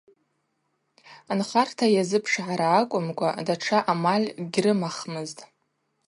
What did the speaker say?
Нхарта йазыпшгӏара акӏвымкӏва датша амаль гьрымахмызтӏ.